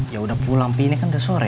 ya udah pulang pi ini kan udah sore